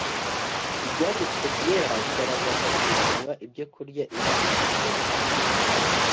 ibyanditswe byera bigaragaza kwigomwa ibyokurya imana yahisemo,